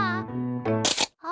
あ！